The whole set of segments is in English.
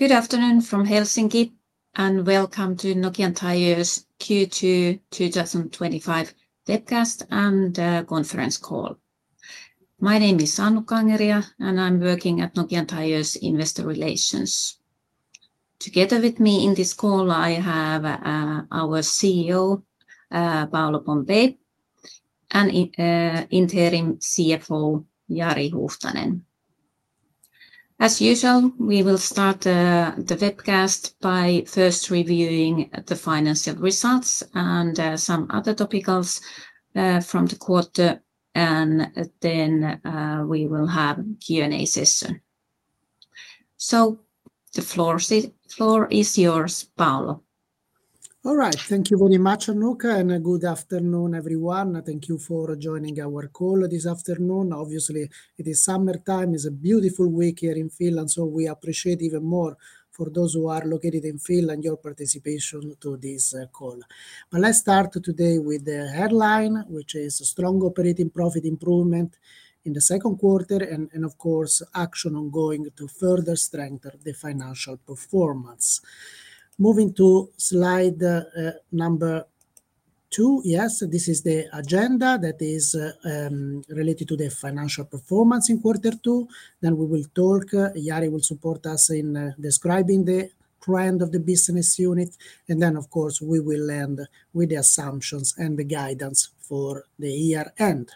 Good afternoon from Helsinki, and welcome to Nokian Tyres Q2 2025 webcast and conference call. My name is Annukka Angeria, and I'm working at Nokian Tyres Investor Relations. Together with me in this call, I have our CEO, Paolo Pompei, and Interim CFO, Jari Huuhtanen. As usual, we will start the webcast by first reviewing the financial results and some other topics from the quarter, and then we will have a Q&A session. The floor is yours, Paolo. All right, thank you very much, Annukka, and good afternoon, everyone. Thank you for joining our call this afternoon. Obviously, it is summertime. It's a beautiful week here in Finland, so we appreciate even more for those who are located in Finland your participation to this call. Let's start today with the headline, which is strong operating profit improvement in the second quarter, and of course, action ongoing to further strengthen the financial performance. Moving to slide number two, this is the agenda that is related to the financial performance in quarter two. We will talk, Jari will support us in describing the trend of the business unit, and we will end with the assumptions and the guidance for the year-end.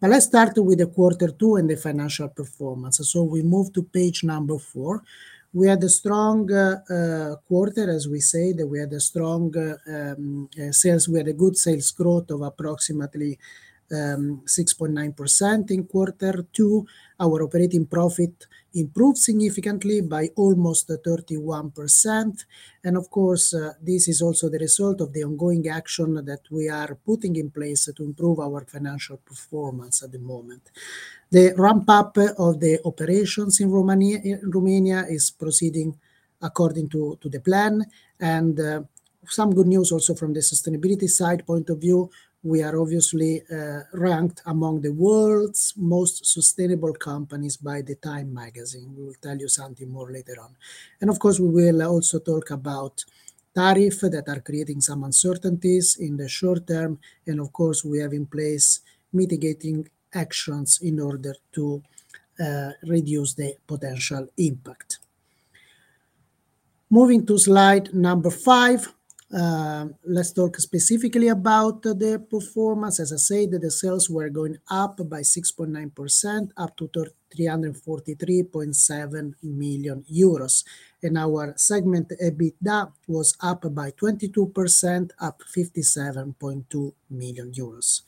Let's start with the quarter two and the financial performance. We move to page number four. We had a strong quarter, as we say, that we had a strong sales. We had a good sales growth of approximately 6.9% in quarter two. Our operating profit improved significantly by almost 31%. This is also the result of the ongoing action that we are putting in place to improve our financial performance at the moment. The ramp-up of the operations in Romania is proceeding according to the plan. Some good news also from the sustainability side point of view, we are obviously ranked among the world's most sustainable companies by Time magazine. We will tell you something more later on. We will also talk about tariffs that are creating some uncertainties in the short term. We have in place mitigating actions in order to reduce the potential impact. Moving to slide number five, let's talk specifically about the performance. As I said, the sales were going up by 6.9%, up to 343.7 million euros. Our segment EBITDA was up by 22%, up 57.2 million euros.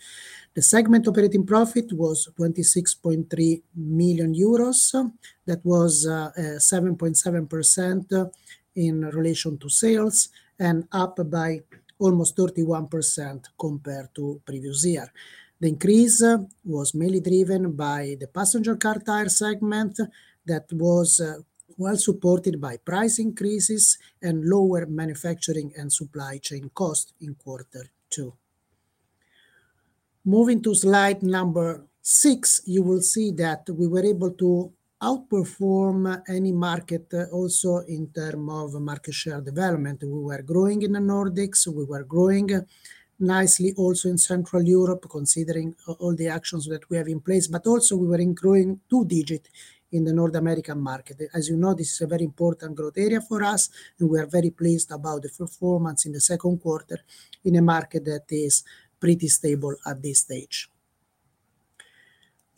The segment operating profit was 26.3 million euros. That was 7.7% in relation to sales and up by almost 31% compared to the previous year. The increase was mainly driven by the Passenger Car Tyres segment that was well supported by price increases and lower manufacturing and supply chain costs in quarter two. Moving to slide number six, you will see that we were able to outperform any market also in terms of market share development. We were growing in the Nordics. We were growing nicely also in Central Europe considering all the actions that we have in place. We were also growing two-digit in the North American market. As you know, this is a very important growth area for us, and we are very pleased about the performance in the second quarter in a market that is pretty stable at this stage.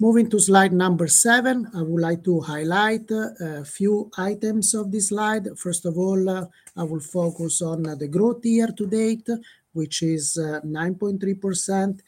Moving to slide number seven, I would like to highlight a few items on this slide. First of all, I will focus on the growth year-to-date, which is 9.3%.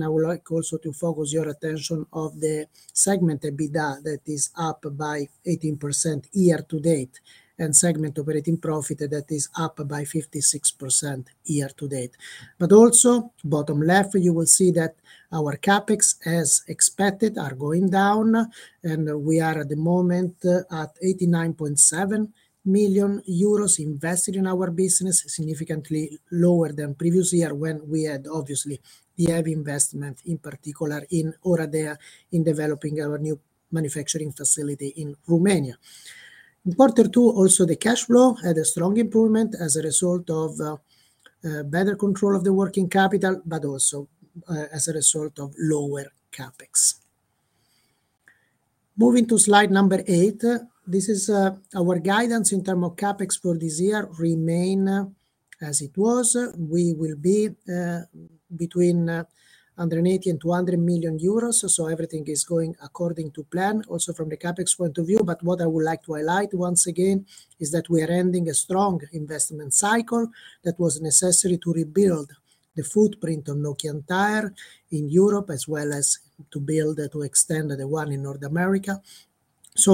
I would also like to focus your attention on the segment EBITDA that is up by 18% year-to-date and segment operating profit that is up by 56% year-to-date. In the bottom left, you will see that our CapEx, as expected, is going down. We are at the moment at 89.7 million euros invested in our business, significantly lower than the previous year when we had obviously we have investment, in particular in Oradea, in developing our new manufacturing facility in Romania. In quarter two, the cash flow also had a strong improvement as a result of better control of the working capital, and as a result of lower CapEx. Moving to slide number eight, this is our guidance in terms of CapEx for this year. It remains as it was. We will be between 180 million and 200 million euros. Everything is going according to plan, also from the CapEx point of view. What I would like to highlight once again is that we are ending a strong investment cycle that was necessary to rebuild the footprint of Nokian Tyres in Europe, as well as to build and to extend the one in North America.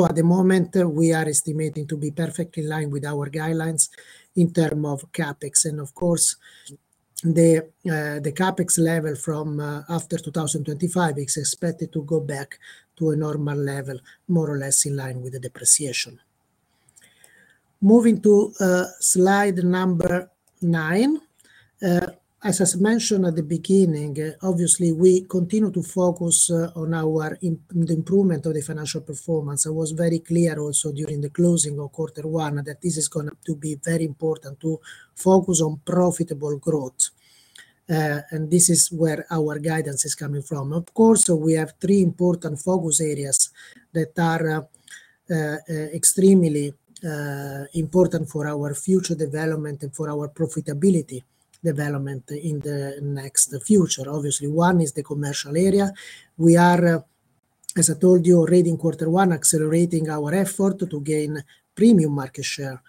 At the moment, we are estimating to be perfectly in line with our guidelines in terms of CapEx. Of course, the CapEx level after 2025 is expected to go back to a normal level, more or less in line with the depreciation. Moving to slide number nine, as I mentioned at the beginning, we continue to focus on the improvement of the financial performance. It was very clear during the closing of quarter one that this is going to be very important to focus on profitable growth. This is where our guidance is coming from. We have three important focus areas that are extremely important for our future development and for our profitability development in the next future. One is the commercial area. As I told you already in quarter one, we are accelerating our effort to gain premium market share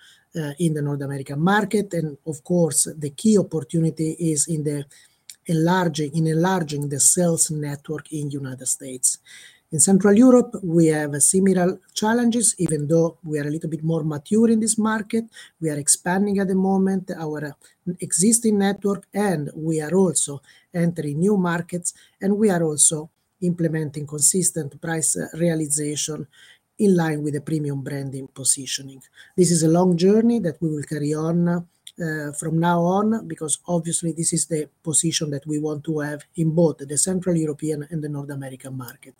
in the North American market. The key opportunity is in enlarging the sales network in the United States. In Central Europe, we have similar challenges, even though we are a little bit more mature in this market. We are expanding at the moment our existing network, and we are also entering new markets, and we are also implementing consistent price realization in line with the premium branding positioning. This is a long journey that we will carry on from now on because obviously, this is the position that we want to have in both the Central European and the North American market.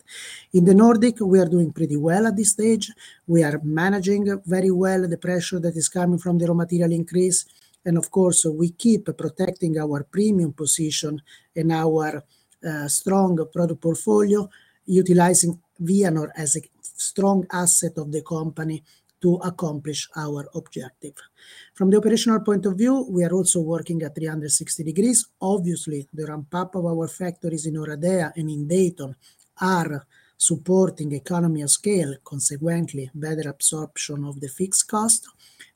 In the Nordic, we are doing pretty well at this stage. We are managing very well the pressure that is coming from the raw material increase. Of course, we keep protecting our premium position and our strong product portfolio, utilizing Vianor as a strong asset of the company to accomplish our objective. From the operational point of view, we are also working at 360 degrees. Obviously, the ramp-up of our factories in Oradea and in Dayton is supporting economy at scale, consequently, better absorption of the fixed cost.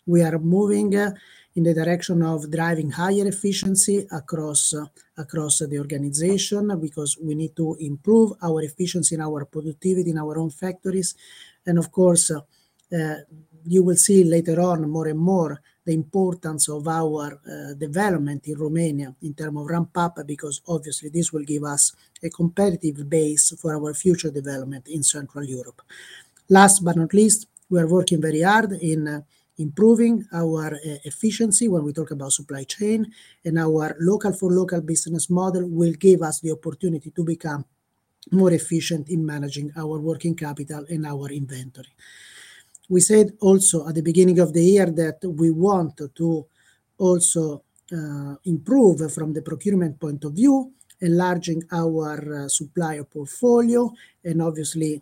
We are moving in the direction of driving higher efficiency across the organization because we need to improve our efficiency and our productivity in our own factories. Of course, you will see later on more and more the importance of our development in Romania in terms of ramp-up because obviously, this will give us a competitive base for our future development in Central Europe. Last but not least, we are working very hard in improving our efficiency when we talk about supply chain, and our local-for-local business model will give us the opportunity to become more efficient in managing our working capital and our inventory. We said also at the beginning of the year that we want to also improve from the procurement point of view, enlarging our supplier portfolio, and obviously,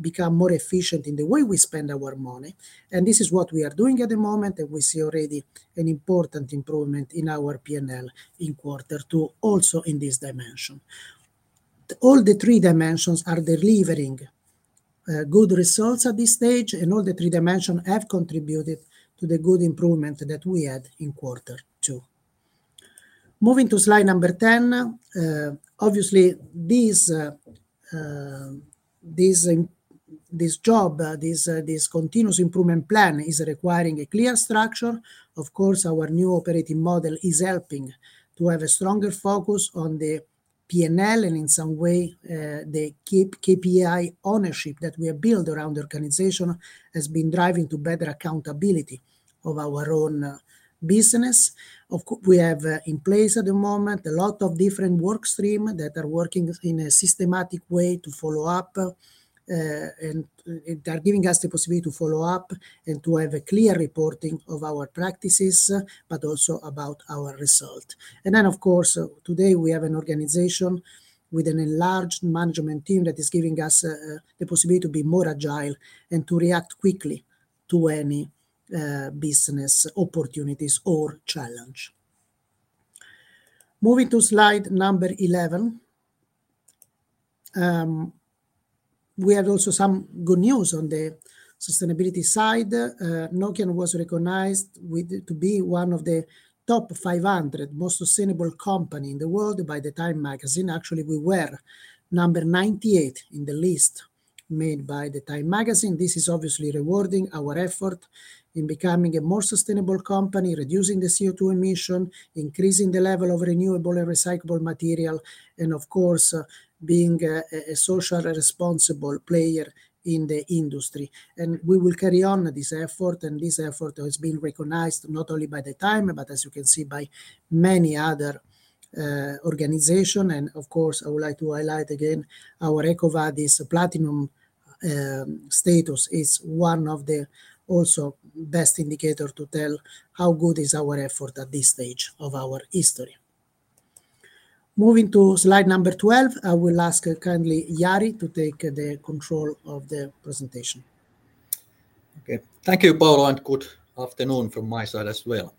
become more efficient in the way we spend our money. This is what we are doing at the moment, and we see already an important improvement in our P&L in quarter two also in this dimension. All the three dimensions are delivering good results at this stage, and all the three dimensions have contributed to the good improvement that we had in quarter two. Moving to slide number 10, obviously, this job, this continuous improvement plan is requiring a clear structure. Of course, our new operating model is helping to have a stronger focus on the P&L, and in some way, the KPI ownership that we have built around the organization has been driving to better accountability of our own business. Of course, we have in place at the moment a lot of different workstreams that are working in a systematic way to follow up and are giving us the possibility to follow up and to have a clear reporting of our practices, but also about our result. Of course, today we have an organization with an enlarged management team that is giving us the possibility to be more agile and to react quickly to any business opportunities or challenges. Moving to slide number 11, we have also some good news on the sustainability side. Nokian was recognized to be one of the top 500 most sustainable companies in the world by Time Magazine. Actually, we were number 98 in the list made by Time Magazine. This is obviously rewarding our effort in becoming a more sustainable company, reducing the CO2 emission, increasing the level of renewable and recyclable material, and of course, being a socially responsible player in the industry. We will carry on this effort, and this effort has been recognized not only by Time, but as you can see, by many other organizations. Of course, I would like to highlight again, our EcoVadis Platinum status is one of the also best indicators to tell how good is our effort at this stage of our history. Moving to slide number 12, I will ask kindly Jari to take the control of the presentation. Okay. Thank you, Paolo, and good afternoon from my side as well.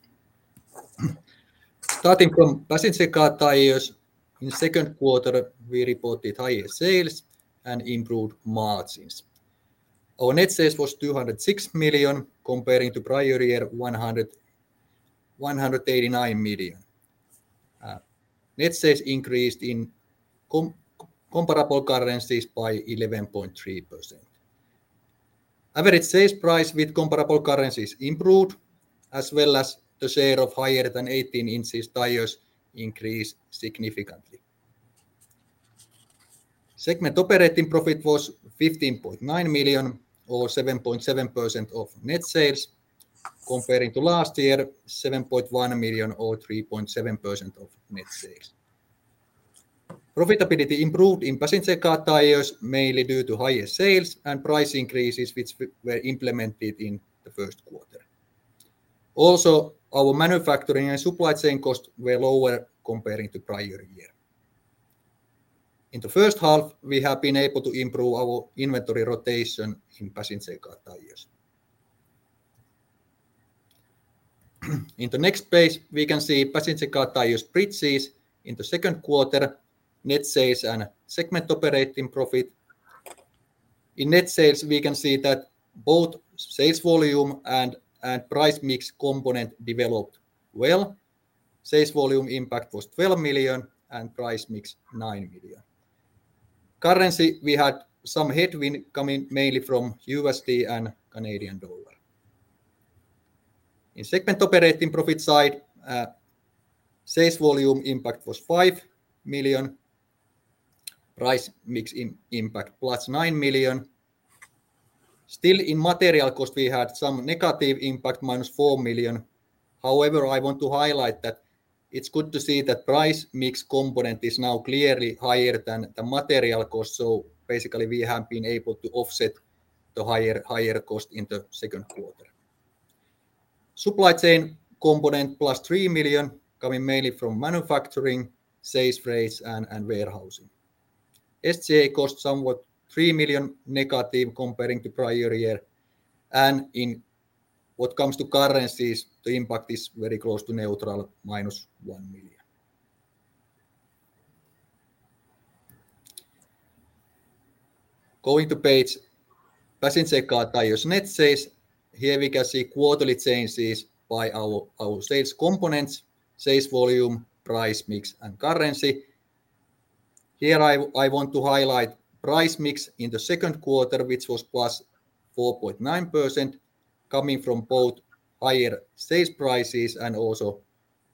Starting from Passenger Car Tyres in the second quarter, we reported higher sales and improved margins. Our net sales was 206 million comparing to prior year 189 million. Net sales increased in comparable currencies by 11.3%. Average sales price with comparable currencies improved, as well as the share of higher than 18 in tyres increased significantly. Segment operating profit was 15.9 million or 7.7% of net sales, comparing to last year, 7.1 million or 3.7% of net sales. Profitability improved in Passenger Car Tyres mainly due to higher sales and price increases which were implemented in the first quarter. Also, our manufacturing and supply chain costs were lower comparing to prior year. In the first half, we have been able to improve our inventory rotation in Passenger Car Tyres. In the next page, we can see Passenger Car Tyres' spreadsheet in the second quarter, net sales and segment operating profit. In net sales, we can see that both sales volume and price mix component developed well. Sales volume impact was 12 million and price mix 9 million. Currency, we had some headwind coming mainly from USD and Canadian dollar. In segment operating profit side, sales volume impact was 5 million, price mix impact +9 million. Still, in material cost, we had some negative impact -4 million. However, I want to highlight that it's good to see that price mix component is now clearly higher than the material cost. Basically, we have been able to offset the higher cost in the second quarter. Supply chain component +3 million coming mainly from manufacturing, sales rates, and warehousing. SGA cost somewhat -3 million comparing to prior year. In what comes to currencies, the impact is very close to neutral, -1 million. Going to page Passenger Car Tyres' net sales, here we can see quarterly changes by our sales components, sales volume, price mix, and currency. I want to highlight price mix in the second quarter, which was +4.9%, coming from both higher sales prices and also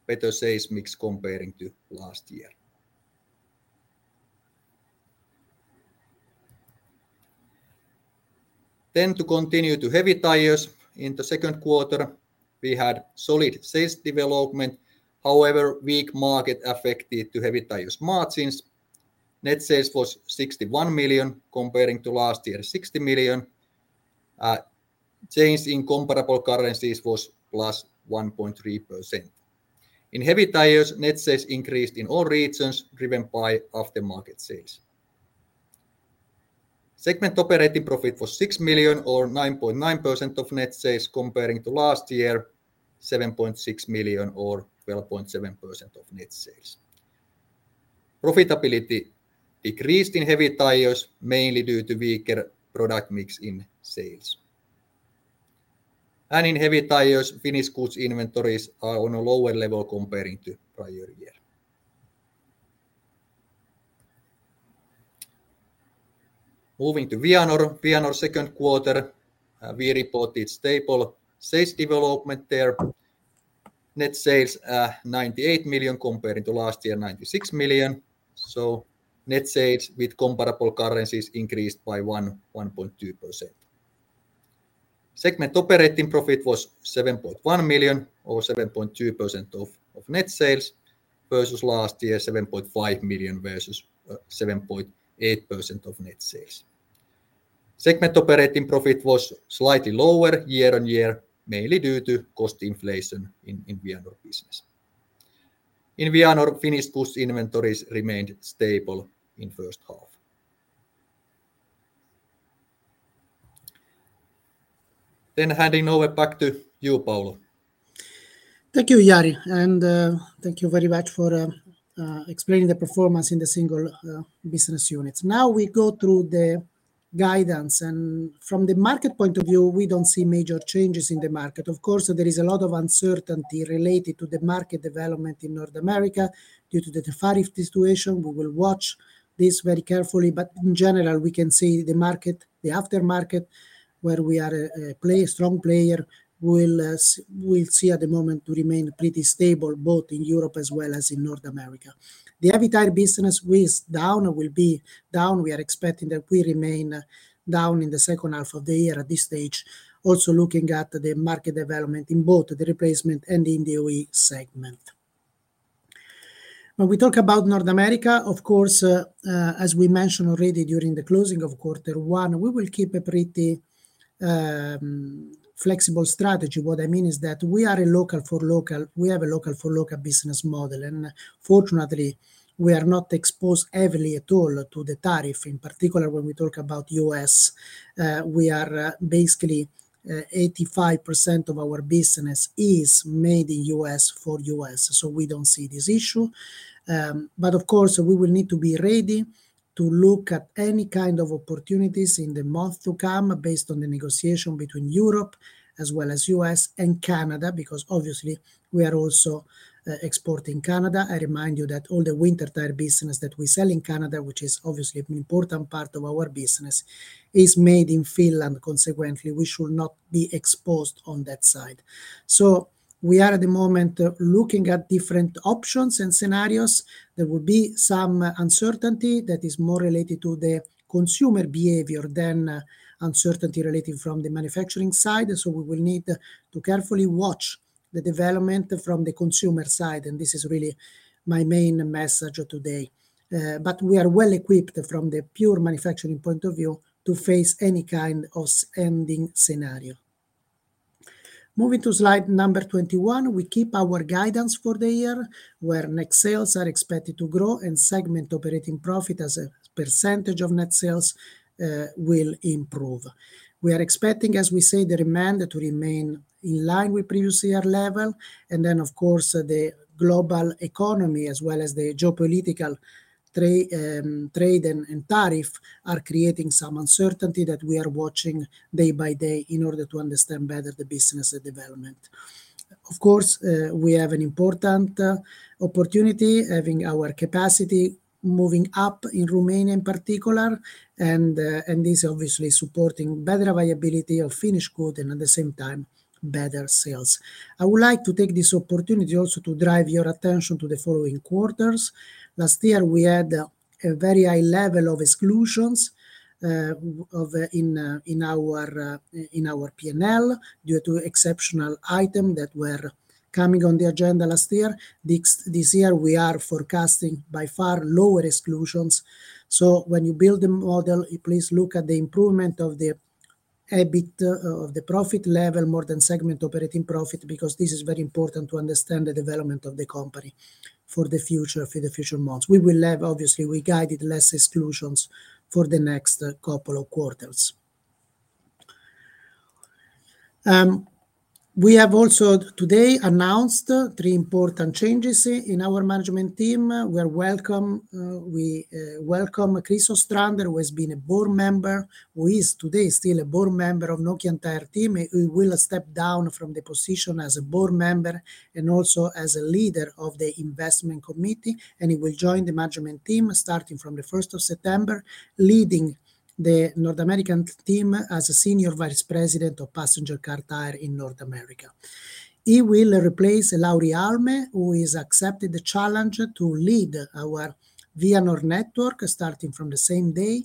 better sales mix comparing to last year. To continue to Heavy Tyres, in the second quarter, we had solid sales development. However, weak market affected to Heavy Tyres margins. Net sales was 61 million comparing to last year, 60 million. Change in comparable currencies was +1.3%. In Heavy Tyres, net sales increased in all regions, driven by aftermarket sales. Segment operating profit was 6 million or 9.9% of net sales, comparing to last year, 7.6 million or 12.7% of net sales. Profitability decreased in Heavy Tyres, mainly due to weaker product mix in sales. In Heavy Tyres, finished goods inventories are on a lower level comparing to prior year. Moving to Vianor, Vianor second quarter, we reported stable sales development there. Net sales are 98 million, comparing to last year, 96 million. Net sales with comparable currencies increased by 1.2%. Segment operating profit was 7.1 million or 7.2% of net sales versus last year, 7.5 million versus 7.8% of net sales. Segment operating profit was slightly lower year-on-year, mainly due to cost inflation in Vianor business. In Vianor, finished goods inventories remained stable in the first half. Handing over back to you, Paolo. Thank you, Jari, and thank you very much for explaining the performance in the single business units. Now we go through the guidance, and from the market point of view, we don't see major changes in the market. Of course, there is a lot of uncertainty related to the market development in North America due to the tariff situation. We will watch this very carefully, but in general, we can see the market, the aftermarket, where we are a strong player, will see at the moment to remain pretty stable both in Europe as well as in North America. The Heavy Tyre business is down, will be down. We are expecting that we remain down in the second half of the year at this stage, also looking at the market development in both the replacement and the DOE segment. When we talk about North America, of course, as we mentioned already during the closing of quarter one, we will keep a pretty flexible strategy. What I mean is that we are a local for local, we have a local for local business model, and fortunately, we are not exposed heavily at all to the tariff, in particular when we talk about the U.S. We are basically, 85% of our business is made in U.S. for U.S., so we don't see this issue. Of course, we will need to be ready to look at any kind of opportunities in the month to come based on the negotiation between Europe as well as U.S. and Canada because obviously, we are also exporting Canada. I remind you that all the winter tire business that we sell in Canada, which is obviously an important part of our business, is made in Finland. Consequently, we should not be exposed on that side. We are at the moment looking at different options and scenarios. There will be some uncertainty that is more related to the consumer behavior than uncertainty related from the manufacturing side. We will need to carefully watch the development from the consumer side, and this is really my main message today. We are well equipped from the pure manufacturing point of view to face any kind of ending scenario. Moving to slide number 21, we keep our guidance for the year where net sales are expected to grow and segment operating profit as a percentage of net sales will improve. We are expecting, as we say, the demand to remain in line with the previous year level. The global economy as well as the geopolitical trade and tariff are creating some uncertainty that we are watching day by day in order to understand better the business development. Of course, we have an important opportunity having our capacity moving up in Romania in particular, and this is obviously supporting better availability of finished goods and at the same time, better sales. I would like to take this opportunity also to drive your attention to the following quarters. Last year, we had a very high level of exclusions in our P&L due to exceptional items that were coming on the agenda last year. This year, we are forecasting by far lower exclusions. When you build the model, please look at the improvement of the EBIT of the profit level more than segment operating profit because this is very important to understand the development of the company for the future months. We will have, obviously, we guided less exclusions for the next couple of quarters. We have also today announced three important changes in our management team. We welcome Chris Ostrander, who has been a board member, who is today still a board member of Nokian Tyres team. He will step down from the position as a board member and also as a leader of the investment committee, and he will join the management team starting from the 1st of September, leading the North American team as a Senior Vice President of Passenger Car Tyres in North America. He will replace Lauri Halme, who has accepted the challenge to lead our Vianor network starting from the same day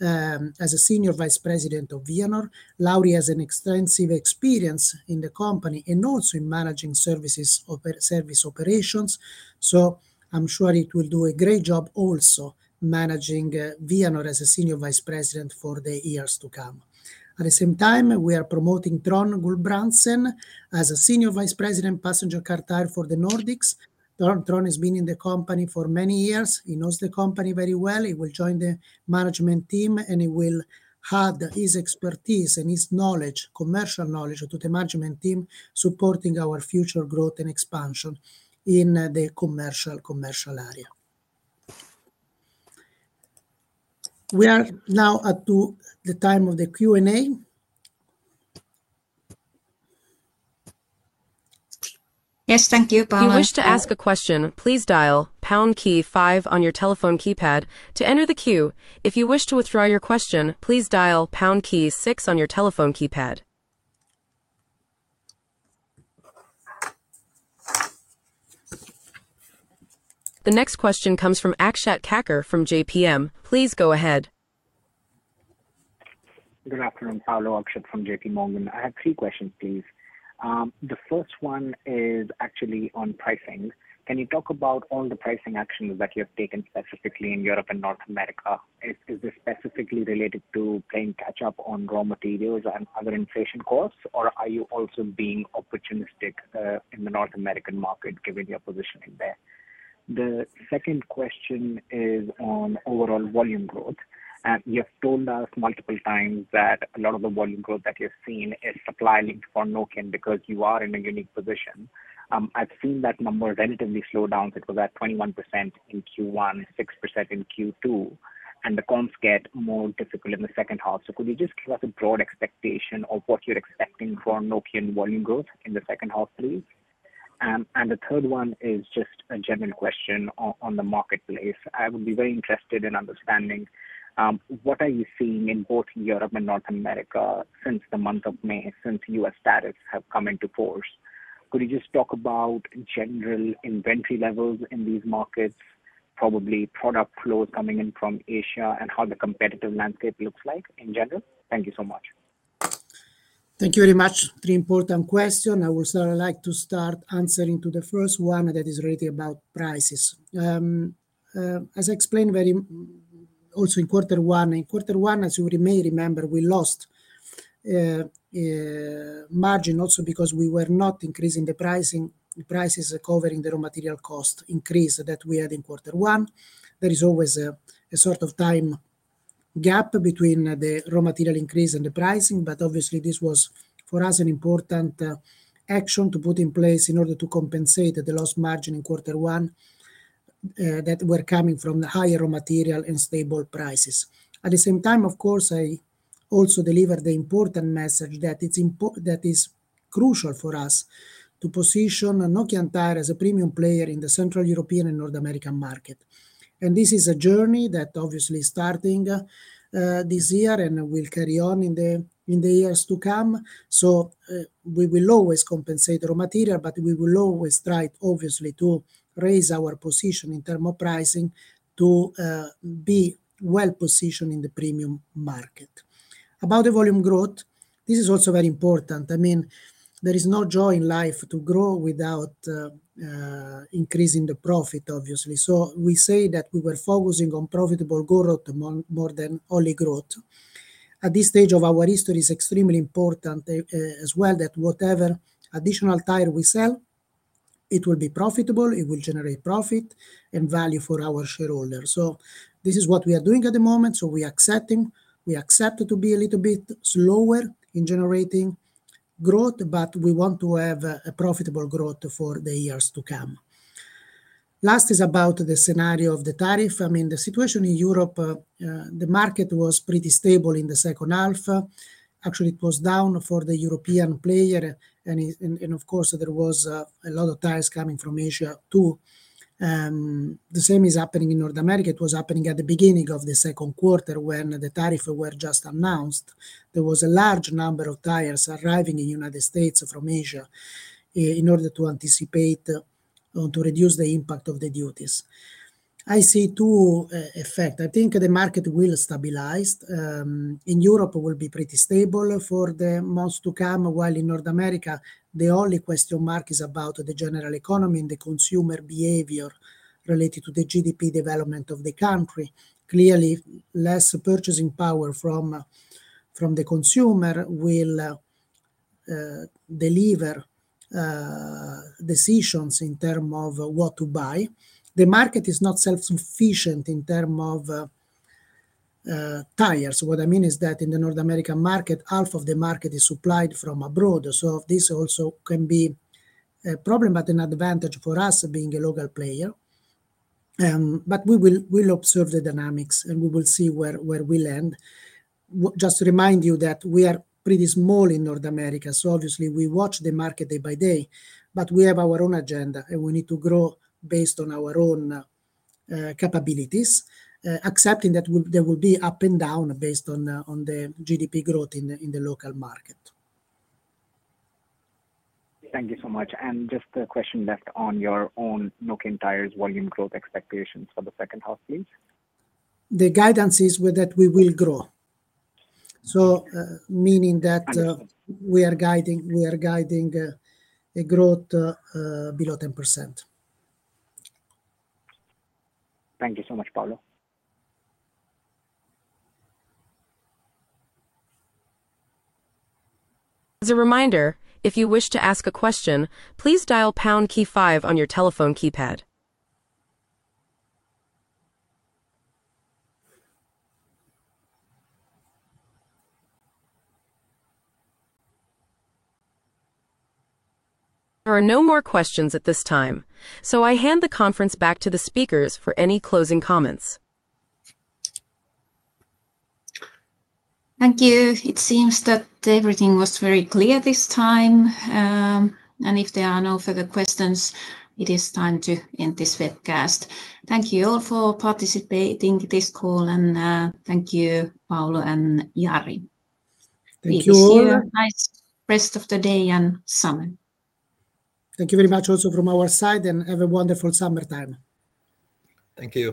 as a Senior Vice President of Vianor. Lauri has extensive experience in the company and also in managing service operations, so I'm sure he will do a great job also managing Vianor as a Senior Vice President for the years to come. At the same time, we are promoting Tron Gulbrandsen as a Senior Vice President of Passenger Car Tyres for the Nordics. Trond has been in the company for many years. He knows the company very well. He will join the management team, and he will add his expertise and his knowledge, commercial knowledge, to the management team, supporting our future growth and expansion in the commercial area. We are now at the time of the Q&A. Yes, thank you, Paolo. If you wish to ask a question, please dial pound key five on your telephone keypad to enter the queue. If you wish to withdraw your question, please dial pound key six on your telephone keypad. The next question comes from Akshat Kacker from JPM. Please go ahead. Good afternoon, Paolo. Akshat from JPMorgan. I have three questions, please. The first one is actually on pricing. Can you talk about all the pricing actions that you have taken specifically in Europe and North America? Is this specifically related to playing catch-up on raw materials and other inflation costs, or are you also being opportunistic in the North American market given your positioning there? The second question is on overall volume growth. You have told us multiple times that a lot of the volume growth that you've seen is supplying for Nokian because you are in a unique position. I've seen that number relatively slow down because at 21% in Q1, 6% in Q2, and the comps get more difficult in the second half. Could you just give us a broad expectation of what you're expecting for Nokian volume growth in the second half, please? The third one is just a general question on the marketplace. I would be very interested in understanding what are you seeing in both Europe and North America since the month of May, since U.S. tariffs have come into force. Could you just talk about general inventory levels in these markets, probably product flows coming in from Asia, and how the competitive landscape looks like in general? Thank you so much. Thank you very much. Pretty important question. I would like to start answering to the first one that is related about prices. As I explained also in quarter one, in quarter one, as you may remember, we lost margin also because we were not increasing the prices covering the raw material cost increase that we had in quarter one. There is always a sort of time gap between the raw material increase and the pricing, but obviously, this was for us an important action to put in place in order to compensate the lost margin in quarter one that were coming from the higher raw material and stable prices. At the same time, I also delivered the important message that it is crucial for us to position Nokian Tyres as a premium player in the Central European and North American market. This is a journey that obviously is starting this year and will carry on in the years to come. We will always compensate the raw material, but we will always strive, obviously, to raise our position in terms of pricing to be well positioned in the premium market. About the volume growth, this is also very important. I mean, there is no joy in life to grow without increasing the profit, obviously. We say that we were focusing on profitable growth more than only growth. At this stage of our history, it's extremely important as well that whatever additional tire we sell, it will be profitable, it will generate profit and value for our shareholders. This is what we are doing at the moment. We accepted to be a little bit slower in generating growth, but we want to have a profitable growth for the years to come. Last is about the scenario of the tariff. The situation in Europe, the market was pretty stable in the second half. Actually, it was down for the European player, and there were a lot of tariffs coming from Asia too. The same is happening in North America. It was happening at the beginning of the second quarter when the tariffs were just announced. There was a large number of tires arriving in the United States from Asia in order to anticipate or to reduce the impact of the duties. I see two effects. I think the market will stabilize. In Europe, it will be pretty stable for the months to come, while in North America, the only question mark is about the general economy and the consumer behavior related to the GDP development of the country. Clearly, less purchasing power from the consumer will deliver decisions in terms of what to buy. The market is not self-sufficient in terms of tires. What I mean is that in the North American market, half of the market is supplied from abroad. This also can be a problem, but an advantage for us being a local player. We will observe the dynamics, and we will see where we land. Just to remind you that we are pretty small in North America. Obviously, we watch the market day by day, but we have our own agenda, and we need to grow based on our own capabilities, accepting that there will be up and down based on the GDP growth in the local market. Thank you so much. Just a question left on your own Nokian Tyres volume growth expectations for the second half, please. The guidance is that we will grow, meaning that we are guiding a growth below 10%. Thank you so much, Paolo. As a reminder, if you wish to ask a question, please dial the pound key five on your telephone keypad. There are no more questions at this time. I hand the conference back to the speakers for any closing comments. Thank you. It seems that everything was very clear this time. If there are no further questions, it is time to end this webcast. Thank you all for participating in this call, and thank you, Paolo and Jari. Thank you all. Thank you. Have a nice rest of the day and summer. Thank you very much also from our side, and have a wonderful summertime. Thank you.